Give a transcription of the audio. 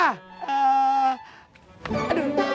aduh ini apaan gue nih